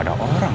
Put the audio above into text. dia mau ke sana